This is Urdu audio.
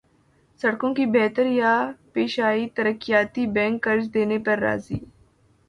سڑکوں کی بہتریایشیائی ترقیاتی بینک قرض دینے پر راضی